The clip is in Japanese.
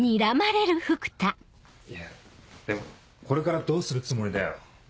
いやでもこれからどうするつもりだよ？